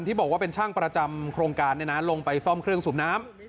ที่บอกว่าเป็นช่างประจำโครงการลงไปซ่อมเครื่องสูบน้ำ